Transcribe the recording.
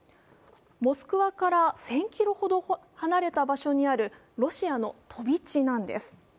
モスクワから１０００ｋｍほど離れた場所にあるロシアの飛び地なんです。